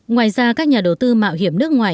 ngoài ra các nhà đầu tư mạo hiểm nước ngoài